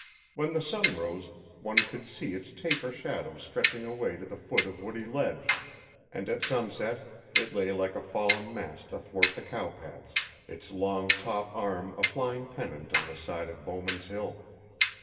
When the sun rose, one could see its taper shadow stretching away to the foot of Woody Ledge, and at sunset it lay like a fallen mast athwart the cow paths, its long top arm a flying pennant on the side of Bowman's Hill.